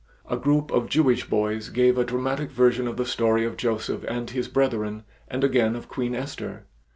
A group of Jewish boys gave a dramatic version of the story of Joseph and his brethren and again of Queen Esther.